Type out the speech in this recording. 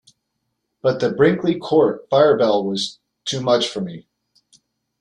But the Brinkley Court fire bell was too much for me.